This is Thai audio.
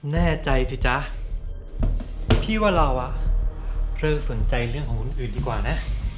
แน่ใจสิจ๊ะพี่ว่าเราอ่ะเธอสนใจเรื่องของคนอื่นดีกว่านะ